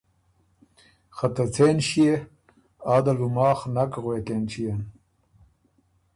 خه ته څېن ݭيې آ دل بُو ماخ نک غوېک اېنچيېن۔